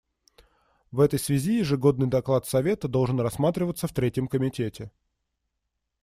В этой связи ежегодный доклад Совета должен рассматриваться в Третьем комитете.